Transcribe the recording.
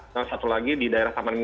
salah satu lagi di daerah samadera